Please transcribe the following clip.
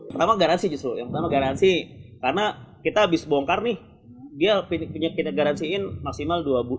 pertama garansi justru yang pertama garansi karena kita habis bongkar nih dia punya kita garansiin maksimal dua bulan